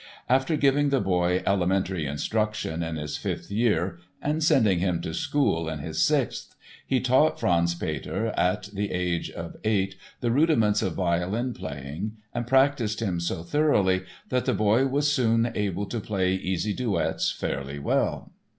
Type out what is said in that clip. After giving the boy "elementary instruction" in his fifth year and sending him to school in his sixth he taught Franz Peter at the age of eight the rudiments of violin playing and practised him so thoroughly that the boy was "soon able to play easy duets fairly well."